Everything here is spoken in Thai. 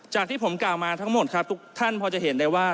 ที่ผมกล่าวมาทั้งหมดครับทุกท่านพอจะเห็นได้ว่า